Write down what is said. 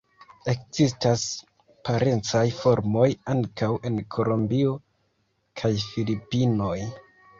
Ekzistas parencaj formoj ankaŭ en Kolombio kaj Filipinoj.